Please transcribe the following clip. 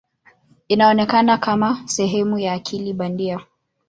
Inaonekana kama sehemu ya akili bandia.